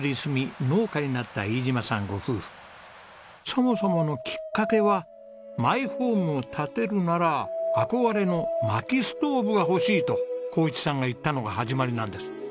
そもそものきっかけはマイホームを建てるなら憧れの薪ストーブが欲しいと紘一さんが言ったのが始まりなんです。